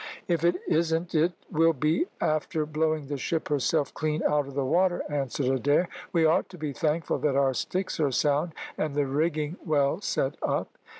"If it isn't it will be after blowing the ship herself clean out of the water," answered Adair. "We ought to be thankful that our sticks are sound, and the rigging well set up."